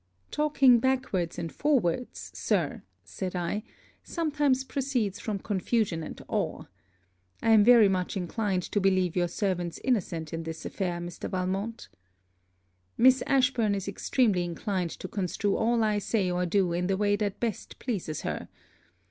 'Talking backwards and forwards, Sir,' said I, 'sometimes proceeds from confusion and awe. I am very much inclined to believe your servants innocent in this affair, Mr. Valmont.' 'Miss Ashburn is extremely inclined to construe all I say or do in the way that best pleases her.